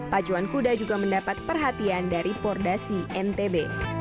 pacuan kuda juga mendapat perhatian dari pordasi ntb